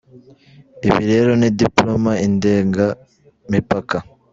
Ibi rero ni diplomas indenga mipaka.